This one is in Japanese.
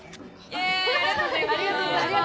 ありがとうございます。